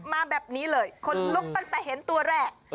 มาแบบนี้เลยขนลุกตั้งแต่เห็นตัวแรก